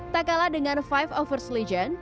tak kalah dengan five overs legion